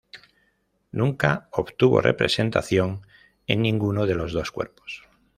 Nunca obtuvo representación en ninguno de los dos cuerpos.